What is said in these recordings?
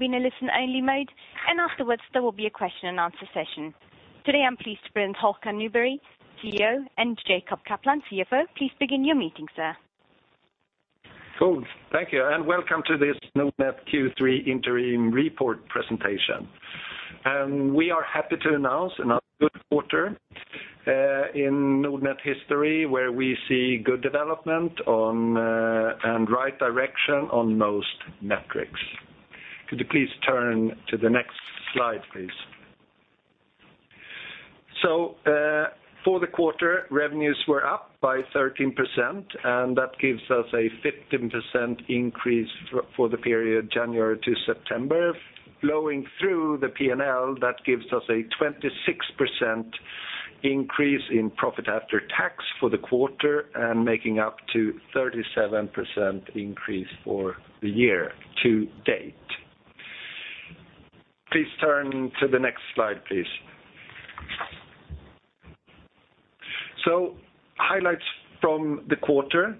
Be in a listen-only mode, and afterwards there will be a question and answer session. Today, I am pleased to present Håkan Nyberg, CEO, and Jacob Kaplan, CFO. Please begin your meeting, sir. Thank you. Welcome to this Nordnet Q3 interim report presentation. We are happy to announce another good quarter in Nordnet history where we see good development and right direction on most metrics. Could you please turn to the next slide, please? For the quarter, revenues were up by 13%, and that gives us a 15% increase for the period January to September. Flowing through the P&L, that gives us a 26% increase in profit after tax for the quarter and making up to 37% increase for the year to date. Please turn to the next slide, please. Highlights from the quarter.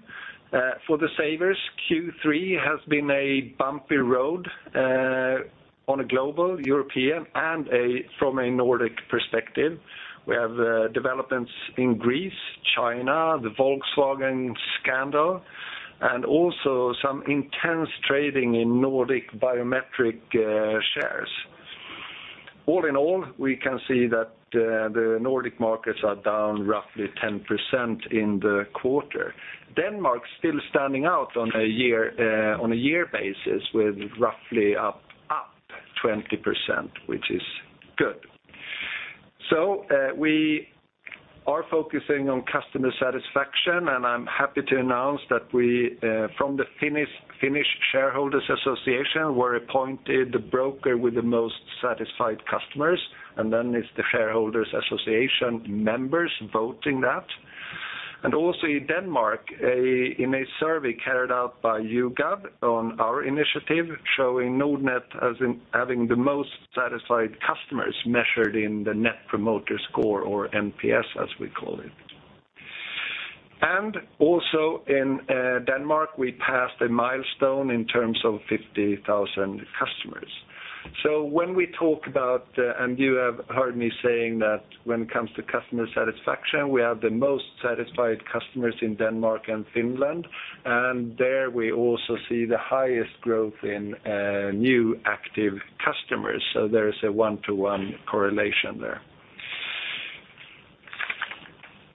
For the savers, Q3 has been a bumpy road on a global, European, and from a Nordic perspective. We have developments in Greece, China, the Volkswagen scandal, and also some intense trading in Nordic biotech shares. All in all, we can see that the Nordic markets are down roughly 10% in the quarter. Denmark still standing out on a year basis with roughly up 20%, which is good. We are focusing on customer satisfaction, and I am happy to announce that from the Finnish Shareholders' Association, we are appointed the broker with the most satisfied customers, and then it is the Shareholders' Association members voting that. Also in Denmark, in a survey carried out by YouGov on our initiative showing Nordnet as having the most satisfied customers measured in the Net Promoter Score or NPS as we call it. Also in Denmark, we passed a milestone in terms of 50,000 customers. When we talk about, and you have heard me saying that when it comes to customer satisfaction, we have the most satisfied customers in Denmark and Finland, and there we also see the highest growth in new active customers. There is a one-to-one correlation there.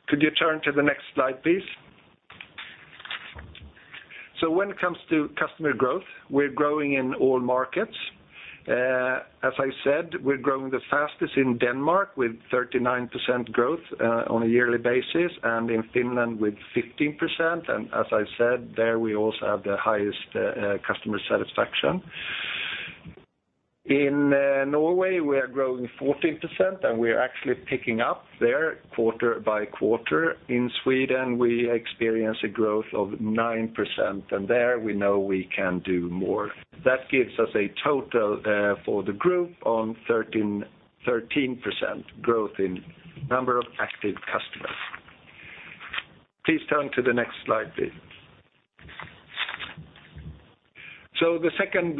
Could you turn to the next slide, please? When it comes to customer growth, we are growing in all markets. As I said, we are growing the fastest in Denmark with 39% growth on a yearly basis and in Finland with 15%. As I have said, there we also have the highest customer satisfaction. In Norway, we are growing 14% and we are actually picking up there quarter by quarter. In Sweden, we experience a growth of 9% and there we know we can do more. That gives us a total for the group on 13% growth in number of active customers. Please turn to the next slide, please. The second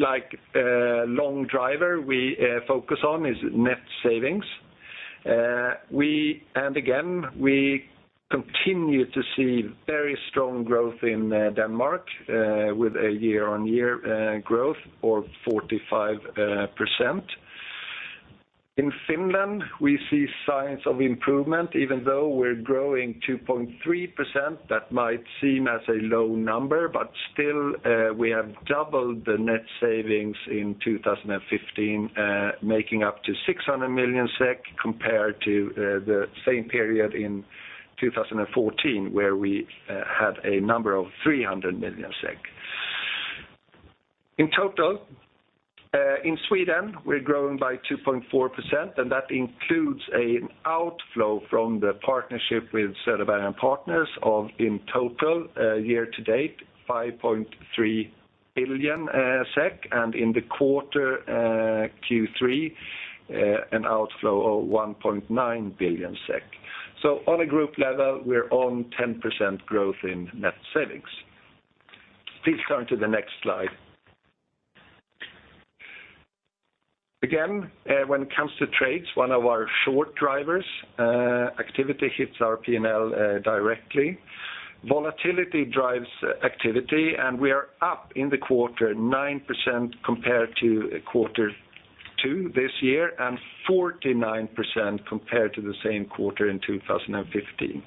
long driver we focus on is net savings. Again, we continue to see very strong growth in Denmark with a year-on-year growth of 45%. In Finland, we see signs of improvement even though we're growing 2.3%. That might seem as a low number, but still we have doubled the net savings in 2015 making up to 600 million SEK compared to the same period in 2014 where we had a number of 300 million SEK. In total, in Sweden, we're growing by 2.4% and that includes an outflow from the partnership with Söderberg & Partners of in total year to date 5.3 billion SEK and in the quarter Q3 an outflow of 1.9 billion SEK. On a group level, we're on 10% growth in net savings. Please turn to the next slide. Again, when it comes to trades, one of our short drivers activity hits our P&L directly. Volatility drives activity and we are up in the quarter 9% compared to quarter two this year and 49% compared to the same quarter in 2015.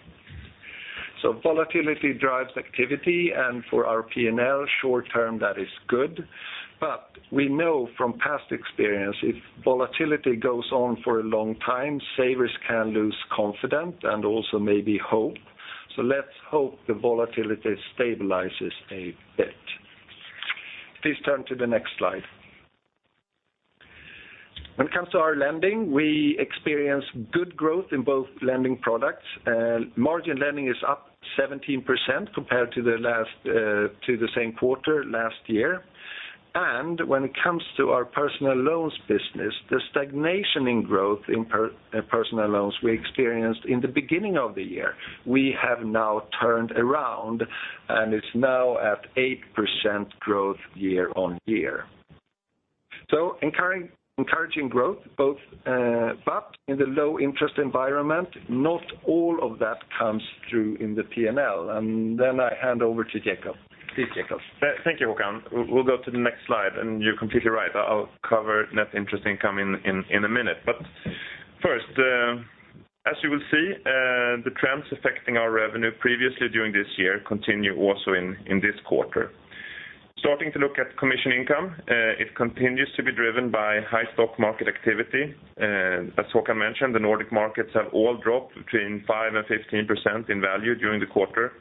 Volatility drives activity and for our P&L short term that is good. We know from past experience if volatility goes on for a long time, savers can lose confidence and also maybe hope. Let's hope the volatility stabilizes a bit. Please turn to the next slide. When it comes to our lending, we experience good growth in both lending products. Margin lending is up 17% compared to the same quarter last year. When it comes to our personal loans business, the stagnation in growth in personal loans we experienced in the beginning of the year, we have now turned around and it's now at 8% growth year-on-year. Encouraging growth both, but in the low interest environment, not all of that comes through in the P&L. I hand over to Jacob. Please, Jacob. Thank you, Håkan. We'll go to the next slide, and you're completely right. I'll cover net interest income in a minute. First, as you will see, the trends affecting our revenue previously during this year continue also in this quarter. Starting to look at commission income, it continues to be driven by high stock market activity. As Håkan mentioned, the Nordic markets have all dropped between 5% and 15% in value during the quarter,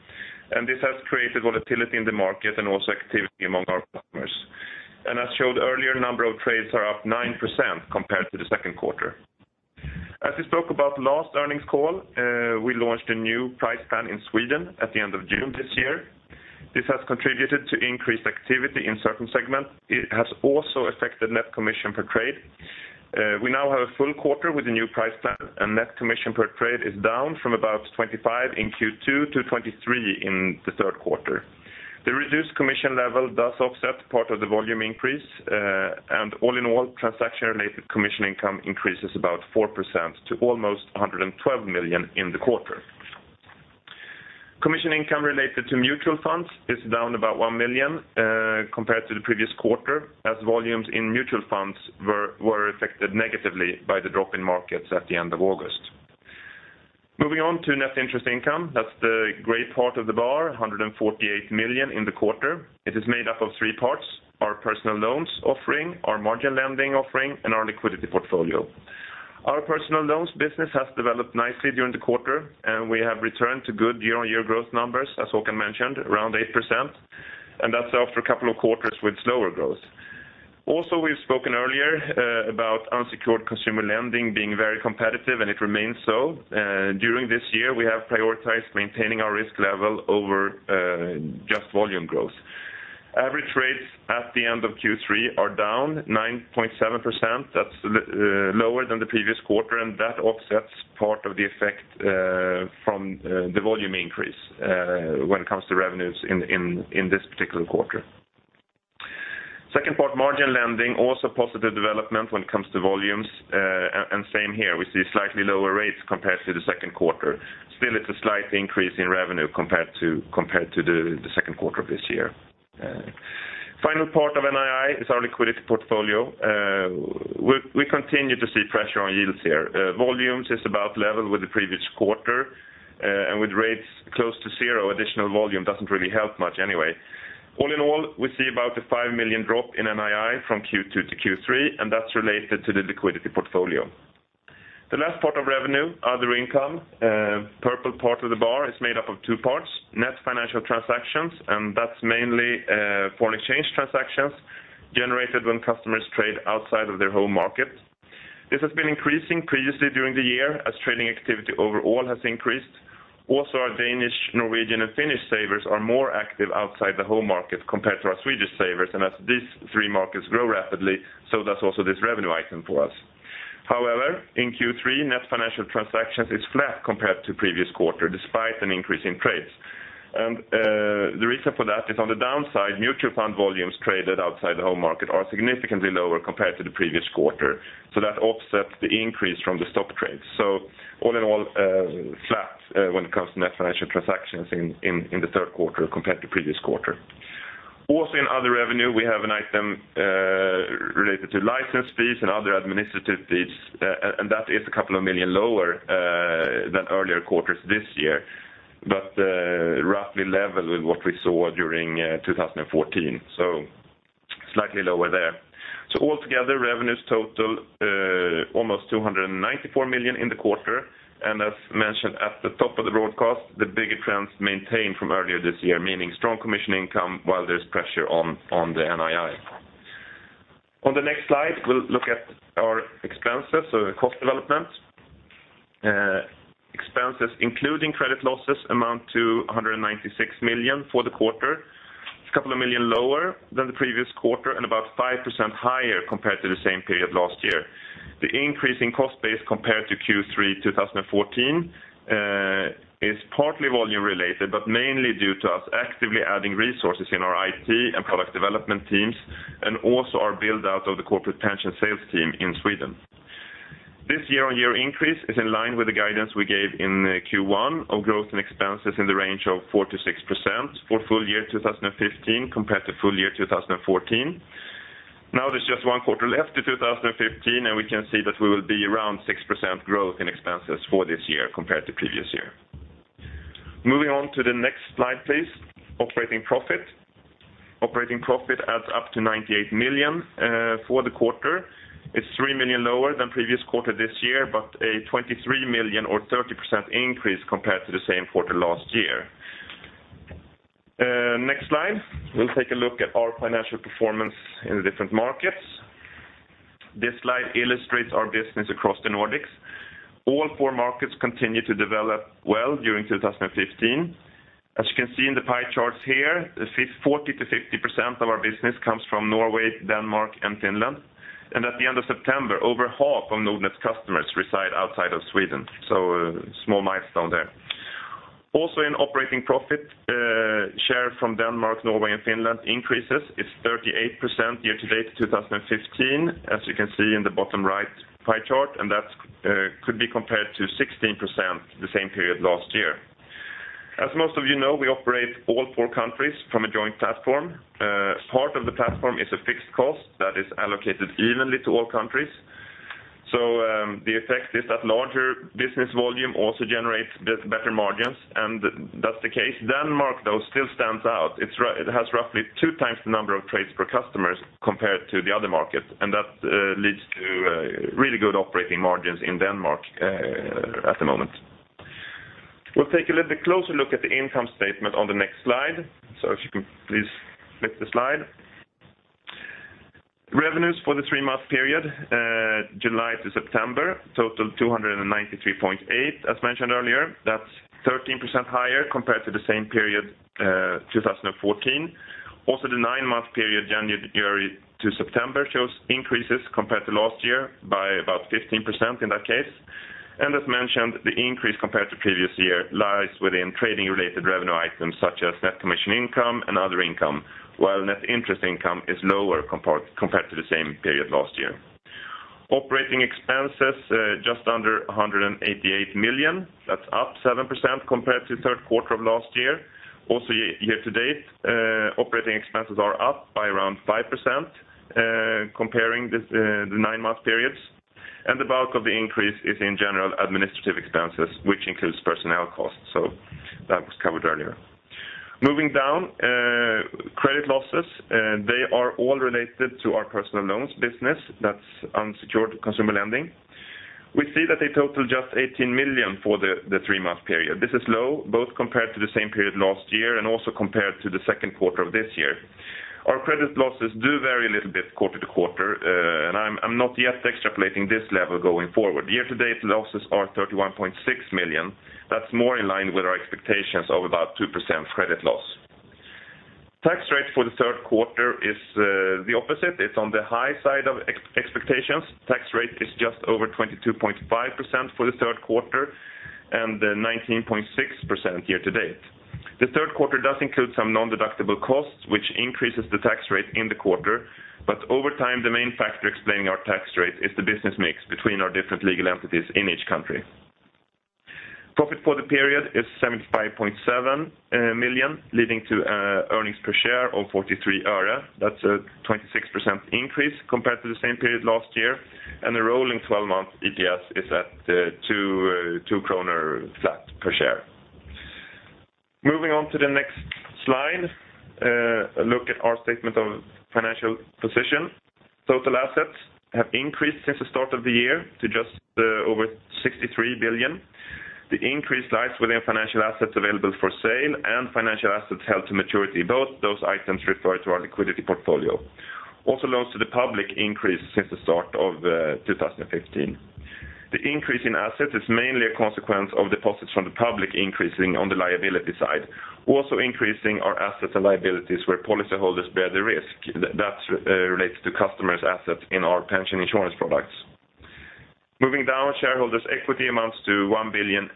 and this has created volatility in the market and also activity among our customers. As showed earlier, number of trades are up 9% compared to the second quarter. As we spoke about last earnings call, we launched a new price plan in Sweden at the end of June this year. This has contributed to increased activity in certain segments. It has also affected net commission per trade. We now have a full quarter with the new price plan, net commission per trade is down from about 25 in Q2 to 23 in the third quarter. The reduced commission level does offset part of the volume increase. All in all, transaction-related commission income increases about 4% to almost 112 million in the quarter. Commission income related to mutual funds is down about 1 million compared to the previous quarter, as volumes in mutual funds were affected negatively by the drop in markets at the end of August. Moving on to net interest income, that's the gray part of the bar, 148 million in the quarter. It is made up of three parts, our personal loans offering, our margin lending offering, and our liquidity portfolio. Our personal loans business has developed nicely during the quarter, we have returned to good year-on-year growth numbers, as Håkan mentioned, around 8%, and that's after a couple of quarters with slower growth. We've spoken earlier about unsecured consumer lending being very competitive, and it remains so. During this year, we have prioritized maintaining our risk level over just volume growth. Average rates at the end of Q3 are down 9.7%. That's lower than the previous quarter, and that offsets part of the effect from the volume increase when it comes to revenues in this particular quarter. Second part, margin lending, also positive development when it comes to volumes. Same here, we see slightly lower rates compared to the second quarter. Still, it's a slight increase in revenue compared to the second quarter of this year. Final part of NII is our liquidity portfolio. We continue to see pressure on yields here. Volumes is about level with the previous quarter, with rates close to zero, additional volume doesn't really help much anyway. All in all, we see about a 5 million drop in NII from Q2 to Q3, and that's related to the liquidity portfolio. The last part of revenue, other income, purple part of the bar, is made up of two parts, net financial transactions, that's mainly foreign exchange transactions generated when customers trade outside of their home market. This has been increasing previously during the year as trading activity overall has increased. Our Danish, Norwegian, and Finnish savers are more active outside the home market compared to our Swedish savers. As these three markets grow rapidly, so does also this revenue item for us. However, in Q3, net financial transactions is flat compared to previous quarter, despite an increase in trades. The reason for that is on the downside, mutual fund volumes traded outside the home market are significantly lower compared to the previous quarter, that offsets the increase from the stock trades. All in all, flat when it comes to net financial transactions in the third quarter compared to previous quarter. In other revenue, we have an item related to license fees and other administrative fees, that is a couple of million lower than earlier quarters this year, but roughly level with what we saw during 2014, slightly lower there. Altogether, revenues total almost 294 million in the quarter. As mentioned at the top of the broadcast, the bigger trends maintained from earlier this year, meaning strong commission income while there's pressure on the NII. On the next slide, we'll look at our expenses or cost development. Expenses including credit losses amount to 196 million for the quarter. It's a couple of million lower than the previous quarter and about 5% higher compared to the same period last year. The increase in cost base compared to Q3 2014 is partly volume related, but mainly due to us actively adding resources in our IT and product development teams and also our build-out of the corporate pension sales team in Sweden. This year-on-year increase is in line with the guidance we gave in Q1 of growth and expenses in the range of 4%-6% for full year 2015 compared to full year 2014. There's just one quarter left to 2015, and we can see that we will be around 6% growth in expenses for this year compared to previous year. Moving on to the next slide, please. Operating profit. Operating profit adds up to 98 million for the quarter. It's three million lower than previous quarter this year, but a 23 million or 30% increase compared to the same quarter last year. Next slide, we'll take a look at our financial performance in the different markets. This slide illustrates our business across the Nordics. All four markets continue to develop well during 2015. As you can see in the pie charts here, 40%-50% of our business comes from Norway, Denmark, and Finland. At the end of September, over half of Nordnet's customers reside outside of Sweden. A small milestone there Also in operating profit share from Denmark, Norway, and Finland increases is 38% year-to-date 2015, as you can see in the bottom right pie chart, and that could be compared to 16% the same period last year. As most of you know, we operate all four countries from a joint platform. Part of the platform is a fixed cost that is allocated evenly to all countries. The effect is that larger business volume also generates better margins, and that's the case. Denmark, though, still stands out. It has roughly two times the number of trades per customers compared to the other markets, and that leads to really good operating margins in Denmark at the moment. We'll take a little bit closer look at the income statement on the next slide. If you can please flip the slide. Revenues for the three-month period, July to September, total 293.8 million. As mentioned earlier, that's 13% higher compared to the same period 2014. The nine-month period, January to September, shows increases compared to last year by about 15% in that case. As mentioned, the increase compared to previous year lies within trading-related revenue items such as net commission income and other income, while net interest income is lower compared to the same period last year. Operating expenses, just under 188 million. That's up 7% compared to third quarter of last year. Year-to-date operating expenses are up by around 5% comparing the nine-month periods. The bulk of the increase is in general administrative expenses, which includes personnel costs, so that was covered earlier. Moving down, credit losses, they are all related to our personal loans business, that's unsecured consumer lending. We see that they total just 18 million for the three-month period. This is low, both compared to the same period last year and also compared to the second quarter of this year. Our credit losses do vary a little bit quarter-to-quarter, and I'm not yet extrapolating this level going forward. Year-to-date losses are 31.6 million. That's more in line with our expectations of about 2% credit loss. Tax rate for the third quarter is the opposite. It's on the high side of expectations. Tax rate is just over 22.5% for the third quarter and 19.6% year-to-date. The third quarter does include some non-deductible costs, which increases the tax rate in the quarter. Over time, the main factor explaining our tax rate is the business mix between our different legal entities in each country. Profit for the period is 75.7 million, leading to earnings per share of 43 öre. That's a 26% increase compared to the same period last year, and the rolling 12-month EPS is at 2 kronor flat per share. Moving on to the next slide, a look at our statement of financial position. Total assets have increased since the start of the year to just over 63 billion. The increase lies within financial assets available for sale and financial assets held to maturity. Both those items refer to our liquidity portfolio. Loans to the public increased since the start of 2015. The increase in assets is mainly a consequence of deposits from the public increasing on the liability side. Increasing our assets and liabilities where policyholders bear the risk. That relates to customers' assets in our pension insurance products. Moving down, shareholders' equity amounts to 1,820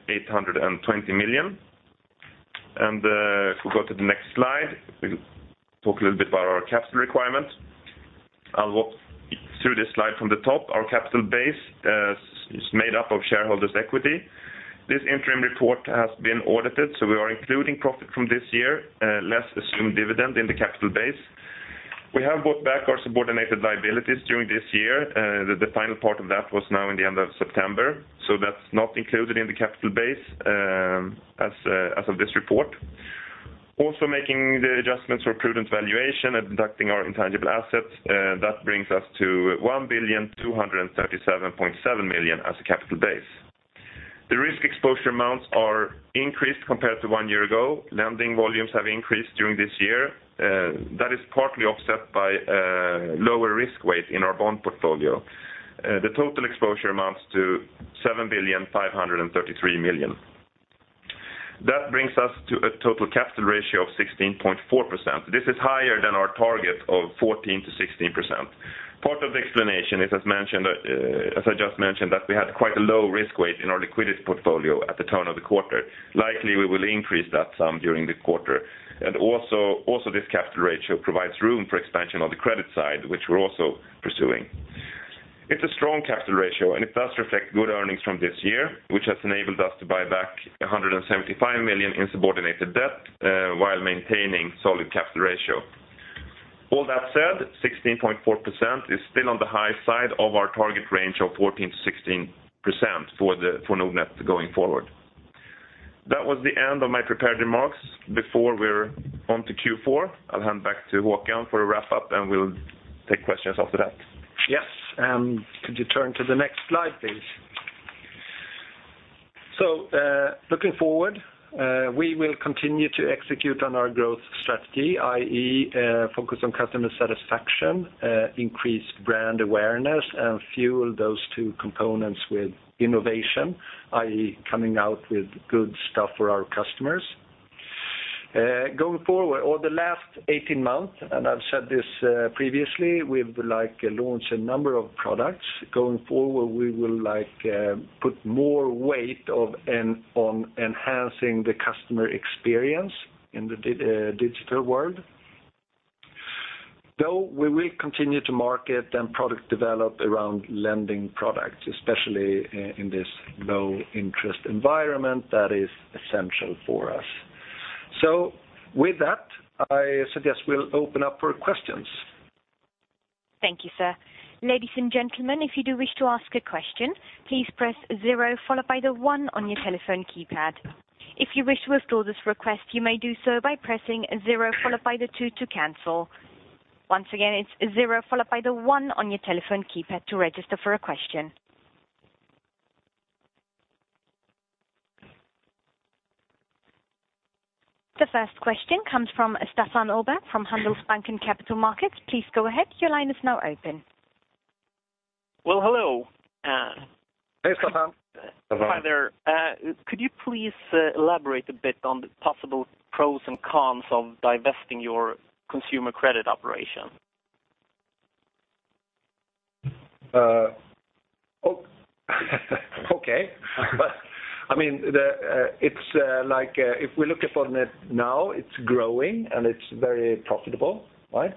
million. If we go to the next slide, we'll talk a little bit about our capital requirements. I'll walk through this slide from the top. Our capital base is made up of shareholders' equity. This interim report has been audited, so we are including profit from this year, less assumed dividend in the capital base. We have bought back our subordinated liabilities during this year. The final part of that was now in the end of September, so that's not included in the capital base as of this report. Making the adjustments for prudent valuation and deducting our intangible assets, that brings us to 1,237.7 million as a capital base. The risk exposure amounts are increased compared to one year ago. Lending volumes have increased during this year. That is partly offset by lower risk weight in our bond portfolio. The total exposure amounts to 7,533 million. That brings us to a total capital ratio of 16.4%. This is higher than our target of 14%-16%. Part of the explanation is, as I just mentioned, that we had quite a low risk weight in our liquidity portfolio at the turn of the quarter. Likely, we will increase that some during the quarter. This capital ratio provides room for expansion on the credit side, which we're also pursuing. It's a strong capital ratio, and it does reflect good earnings from this year, which has enabled us to buy back 175 million in subordinated debt while maintaining solid capital ratio. All that said, 16.4% is still on the high side of our target range of 14%-16% for Nordnet going forward. That was the end of my prepared remarks. Before we're on to Q4, I'll hand back to Håkan for a wrap-up, and we'll take questions after that. Yes, could you turn to the next slide, please? Looking forward, we will continue to execute on our growth strategy, i.e., focus on customer satisfaction, increase brand awareness, and fuel those two components with innovation, i.e., coming out with good stuff for our customers. Going forward or the last 18 months, and I've said this previously, we've launched a number of products. Going forward, we will put more weight on enhancing the customer experience in the digital world, though we will continue to market and product develop around lending products, especially in this low-interest environment that is essential for us. With that, I suggest we'll open up for questions. Thank you, sir. Ladies and gentlemen, if you do wish to ask a question, please press zero followed by the one on your telephone keypad. If you wish to withdraw this request, you may do so by pressing zero followed by the two to cancel. Once again, it's zero followed by the one on your telephone keypad to register for a question. The first question comes from Stefan Öman from Handelsbanken Capital Markets. Please go ahead. Your line is now open. Well, hello. Hey, Stefan. Hi there. Could you please elaborate a bit on the possible pros and cons of divesting your consumer credit operation? Okay. If we look at Nordnet now, it's growing, and it's very profitable, right?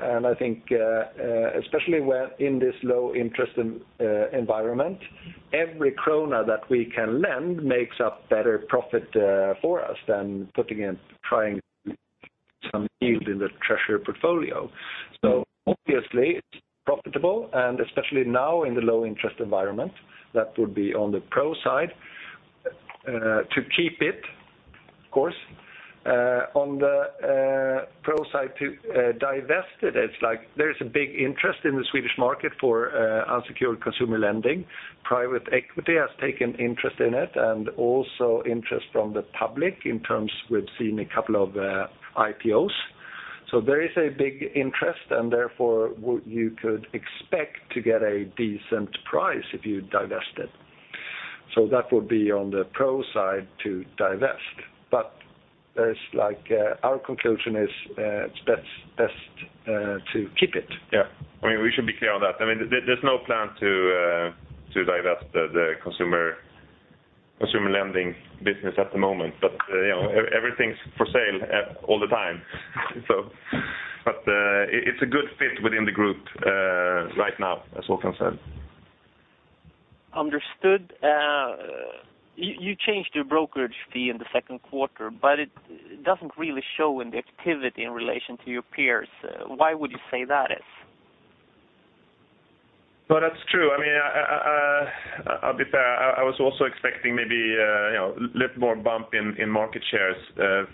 I think, especially in this low-interest environment, every SEK that we can lend makes a better profit for us than putting it, trying some yield in the treasury portfolio. Obviously it's profitable, and especially now in the low-interest environment, that would be on the pro side to keep it, of course. On the pro side to divest it, there is a big interest in the Swedish market for unsecured consumer lending. Private equity has taken interest in it and also interest from the public in terms we've seen a couple of IPOs. There is a big interest, and therefore you could expect to get a decent price if you divest it. That would be on the pro side to divest. Our conclusion is it's best to keep it. Yeah. We should be clear on that. There's no plan to divest the consumer lending business at the moment, everything's for sale all the time. It's a good fit within the group right now, as Håkan said. Understood. You changed your brokerage fee in the second quarter, but it doesn't really show in the activity in relation to your peers. Why would you say that is? That's true. I'll be fair, I was also expecting maybe a little more bump in market shares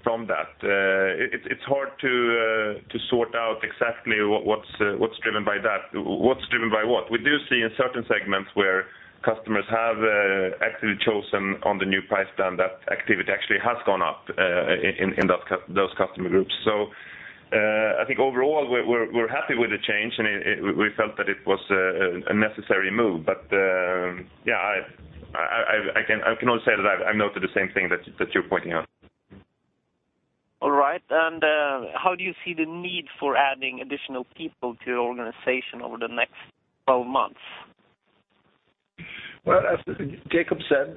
from that. It's hard to sort out exactly what's driven by what. We do see in certain segments where customers have actively chosen on the new price plan that activity actually has gone up in those customer groups. I think overall, we're happy with the change, and we felt that it was a necessary move. I can also say that I've noted the same thing that you're pointing out. All right. How do you see the need for adding additional people to your organization over the next 12 months? Well, as Jacob said,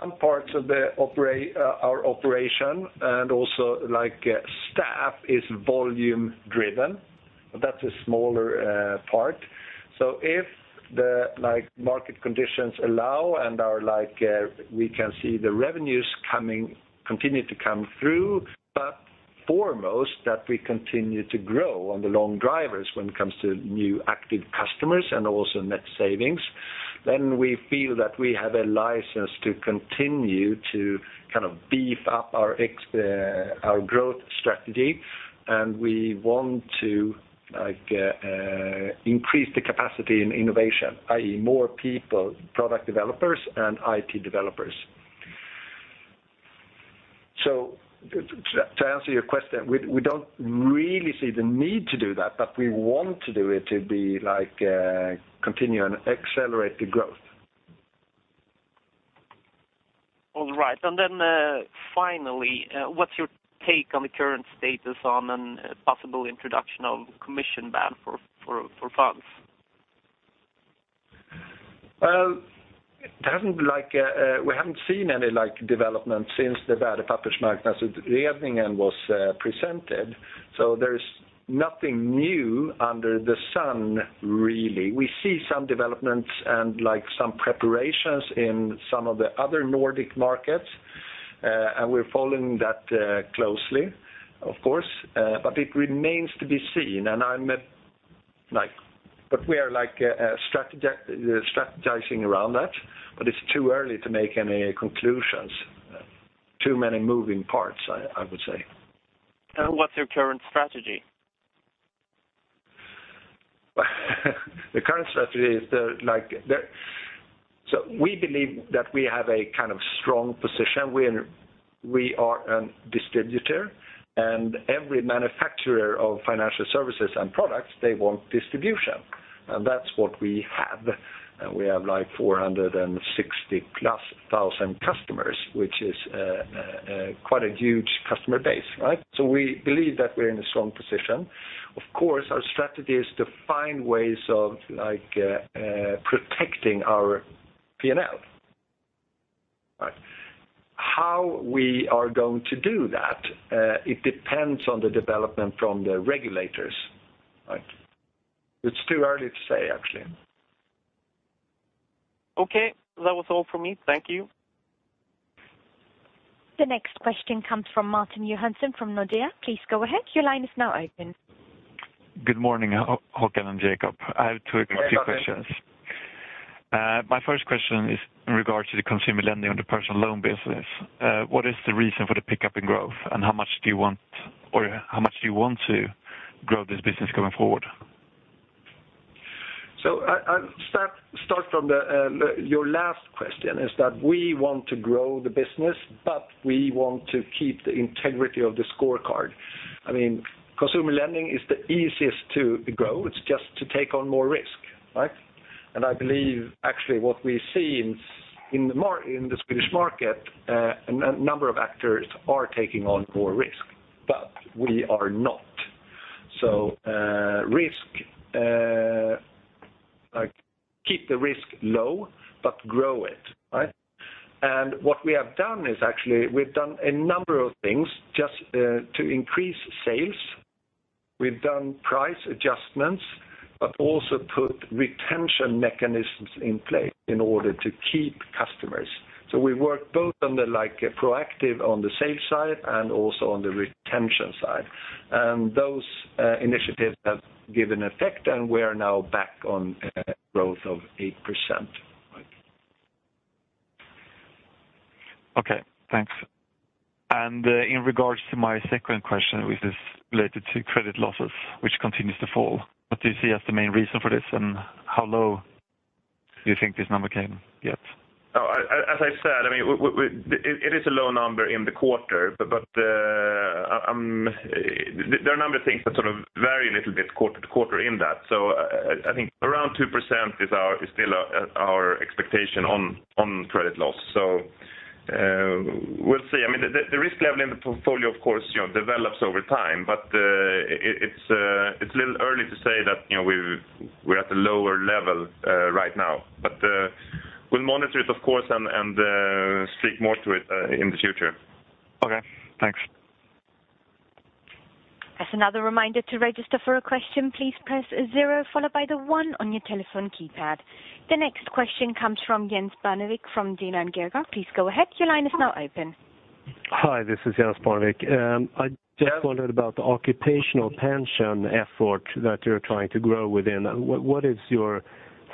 some parts of our operation and also staff is volume-driven, but that's a smaller part. If the market conditions allow and we can see the revenues continue to come through, but foremost that we continue to grow on the long drivers when it comes to new active customers and also net savings, then we feel that we have a license to continue to beef up our growth strategy, and we want to increase the capacity in innovation, i.e., more people, product developers, and IT developers. To answer your question, we don't really see the need to do that, but we want to do it to continue and accelerate the growth. Finally, what's your take on the current status on a possible introduction of commission ban for funds? We haven't seen any development since the Värdepappersmarknadsutredningen was presented. There's nothing new under the sun really. We see some developments and some preparations in some of the other Nordic markets, and we're following that closely, of course. It remains to be seen. We are strategizing around that, but it's too early to make any conclusions. Too many moving parts, I would say. What's your current strategy? The current strategy is that we believe that we have a strong position. We are a distributor. Every manufacturer of financial services and products, they want distribution. That's what we have. We have 460 plus thousand customers, which is quite a huge customer base. We believe that we're in a strong position. Of course, our strategy is to find ways of protecting our P&L. How we are going to do that, it depends on the development from the regulators. It's too early to say, actually. Okay. That was all for me. Thank you. The next question comes from Martin Johansson from Nordea. Please go ahead. Your line is now open. Good morning, Håkan and Jacob. I have two quick questions. My first question is in regards to the consumer lending on the personal loan business. What is the reason for the pickup in growth, and how much do you want to grow this business going forward? I'll start from your last question, is that we want to grow the business, but we want to keep the integrity of the scorecard. Consumer lending is the easiest to grow. It's just to take on more risk. I believe, actually, what we see in the Swedish market, a number of actors are taking on more risk, but we are not. Keep the risk low, but grow it. What we have done is actually we've done a number of things just to increase sales. We've done price adjustments, but also put retention mechanisms in place in order to keep customers. We work both on the proactive on the sales side and also on the retention side. Those initiatives have given effect, and we are now back on growth of 8%. Okay, thanks. In regards to my second question, which is related to credit losses, which continues to fall, what do you see as the main reason for this, and how low do you think this number can get? As I said, it is a low number in the quarter, but there are a number of things that vary a little bit quarter to quarter in that. I think around 2% is still our expectation on credit loss. We'll see. The risk level in the portfolio, of course, develops over time, but it's a little early to say that we're at a lower level right now. We'll monitor it, of course, and speak more to it in the future. Okay, thanks. As another reminder to register for a question, please press zero followed by the one on your telephone keypad. The next question comes from Jens Bjerke from DNB. Please go ahead. Your line is now open. Hi, this is Jens Bjerke. I just wondered about the occupational pension effort that you're trying to grow within. What is your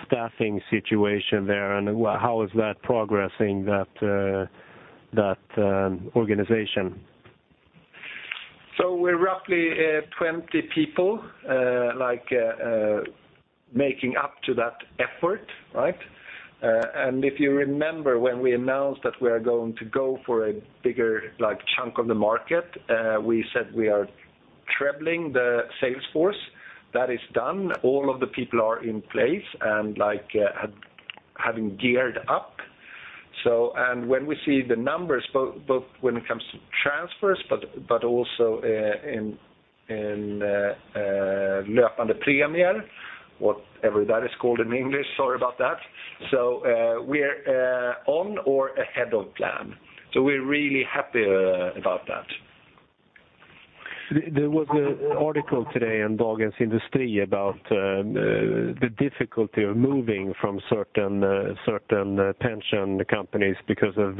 staffing situation there, and how is that progressing that organization? We're roughly 20 people making up to that effort. If you remember when we announced that we are going to go for a bigger chunk of the market, we said we are trebling the sales force. That is done. All of the people are in place and having geared up. When we see the numbers, both when it comes to transfers but also in löpande premier, whatever that is called in English, sorry about that. We are on or ahead of plan. We're really happy about that. There was an article today in Dagens Industri about the difficulty of moving from certain pension companies because of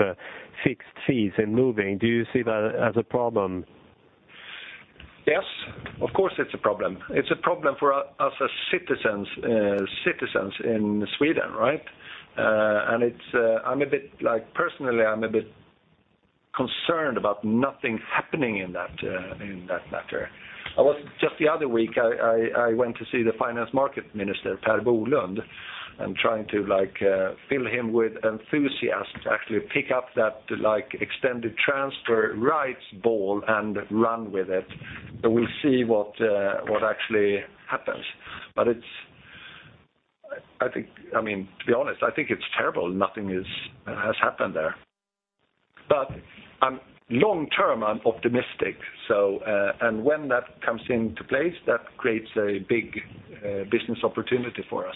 fixed fees in moving. Do you see that as a problem? Yes, of course, it's a problem. It's a problem for us as citizens in Sweden. Personally, I'm a bit concerned about nothing happening in that matter. Just the other week, I went to see the Minister for Financial Markets, Per Bolund, and trying to fill him with enthusiasm to actually pick up that extended transfer rights ball and run with it. We'll see what actually happens. To be honest, I think it's terrible nothing has happened there. Long term, I'm optimistic. When that comes into place, that creates a big business opportunity for us.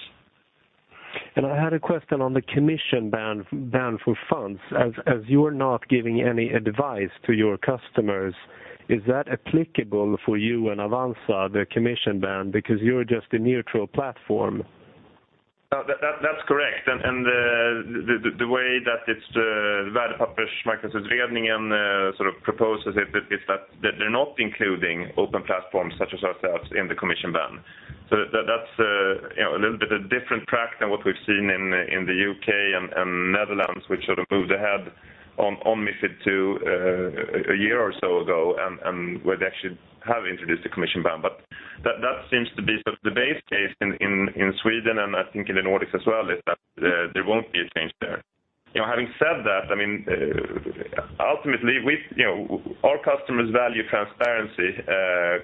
I had a question on the commission ban for funds. As you're not giving any advice to your customers, is that applicable for you and Avanza, the commission ban, because you're just a neutral platform? That's correct. The way that Värdepappersmarknadsutredningen proposes it is that they're not including open platforms such as ourselves in the commission ban. That's a little bit of different track than what we've seen in the U.K. and Netherlands, which moved ahead on MiFID II a year or so ago, and where they actually have introduced a commission ban. That seems to be the base case in Sweden and I think in the Nordics as well, is that there won't be a change there Having said that, ultimately our customers value transparency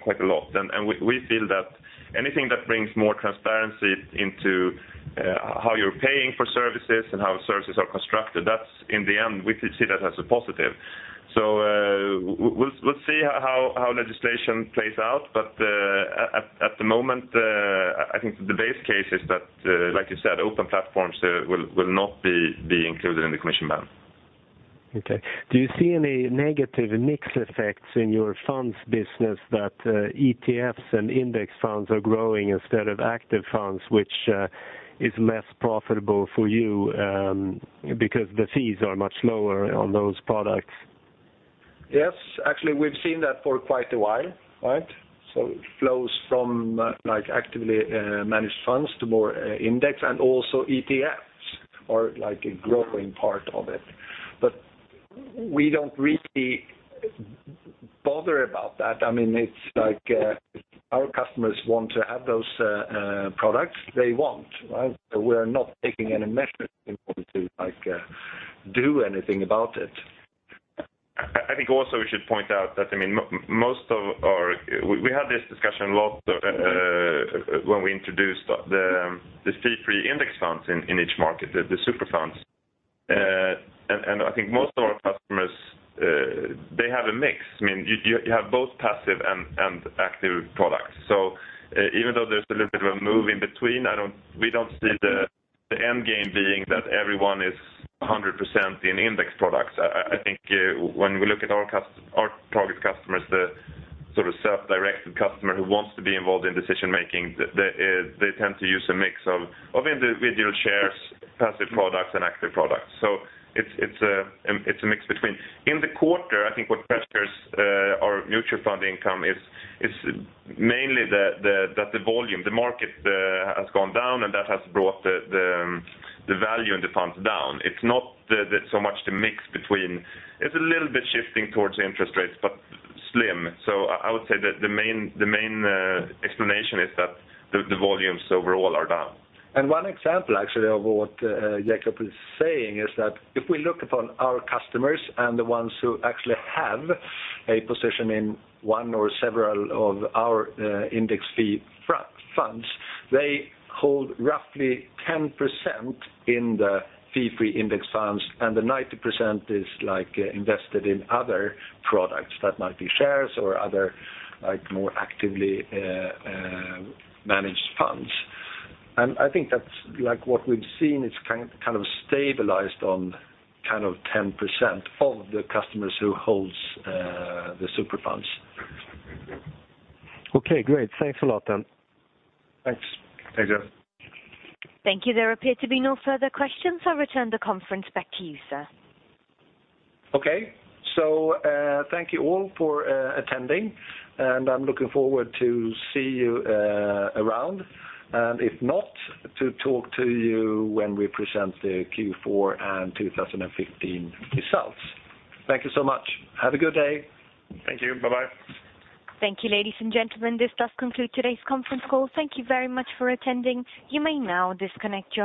quite a lot, and we feel that anything that brings more transparency into how you're paying for services and how services are constructed, in the end, we see that as a positive. We'll see how legislation plays out. At the moment, I think the base case is that, like you said, open platforms will not be included in the commission ban. Okay. Do you see any negative mix effects in your funds business that ETFs and index funds are growing instead of active funds, which is less profitable for you because the fees are much lower on those products? Yes. Actually, we've seen that for quite a while. Flows from actively managed funds to more index and also ETFs are a growing part of it. We don't really bother about that. If our customers want to have those products, they want. We're not taking any measures in order to do anything about it. I think also we should point out that we had this discussion a lot when we introduced the fee-free index funds in each market, the Super Funds. I think most of our customers have a mix. You have both passive and active products. Even though there's a little bit of a move in between, we don't see the end game being that everyone is 100% in index products. I think when we look at our target customers, the sort of self-directed customer who wants to be involved in decision making, they tend to use a mix of individual shares, passive products, and active products. It's a mix between. In the quarter, I think what pressures our mutual fund income is mainly that the volume, the market has gone down, and that has brought the value in the funds down. It's not so much the mix between. It's a little bit shifting towards interest rates, but slim. I would say that the main explanation is that the volumes overall are down. One example actually of what Jacob is saying is that if we look upon our customers and the ones who actually have a position in one or several of our index fee funds, they hold roughly 10% in the fee-free index funds, and the 90% is invested in other products that might be shares or other more actively managed funds. I think that what we've seen, it's kind of stabilized on 10% of the customers who holds the Super Funds. Great. Thanks a lot. Thanks. Thank you. Thank you. There appear to be no further questions. I return the conference back to you, sir. Thank you all for attending, I'm looking forward to see you around. If not, to talk to you when we present the Q4 and 2015 results. Thank you so much. Have a good day. Thank you. Bye-bye. Thank you, ladies and gentlemen. This does conclude today's conference call. Thank you very much for attending. You may now disconnect.